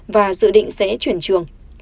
và dự định sẽ chuyển trường